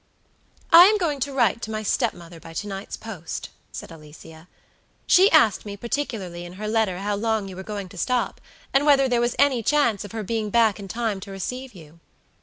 "I am going to write to my step mother by to night's post," said Alicia. "She asked me particularly in her letter how long you were going to stop, and whether there was any chance of her being back in time to receive you."